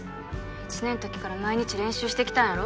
１年の時から毎日練習してきたんやろ？